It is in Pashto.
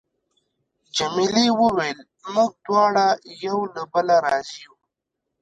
جميلې وويل: موږ دواړه یو له بله راضي یو.